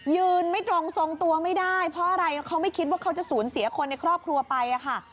ยืนไม่ตรงทรงตัวไม่ได้เพราะอะไรเขาไม่คิดว่าเขาจะสูญเสียคนในครอบครัวไปค่ะ